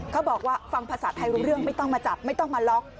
เขาบอกว่าฟังภาษาไทยรู้เรื่องไม่ต้องมาจับไม่ต้องมาล็อก